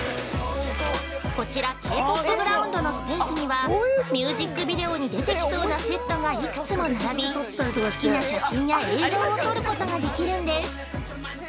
◆こちら「ケーポップ・グラウンド」のスペースにはミュージックビデオに出てきそうなセットが幾つも並び好きな写真や映像を撮ることができるんです。